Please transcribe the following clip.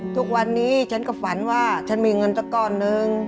ทุกวันนี้ฉันก็ฝันว่าฉันมีเงินสักก้อนนึง